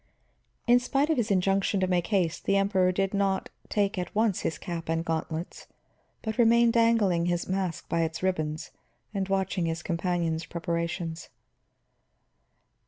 In spite of his injunction to make haste, the Emperor did not take at once his cap and gauntlets but remained dangling his mask by its ribbons and watching his companion's preparations.